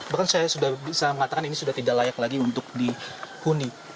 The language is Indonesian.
bahkan saya sudah bisa mengatakan ini sudah tidak layak lagi untuk dihuni